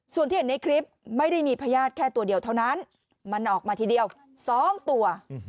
ส่วนที่เห็นในคลิปไม่ได้มีพญาติแค่ตัวเดียวเท่านั้นมันออกมาทีเดียว๒ตัว